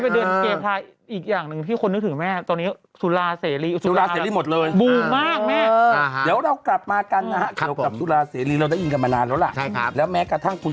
เดี๋ยวนี้ไปเดินเกมท้ายอีกอย่างหนึ่งที่คนนึกถึงแม่